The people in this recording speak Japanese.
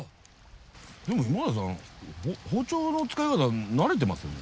でも今田さん包丁の使い方慣れてますよね。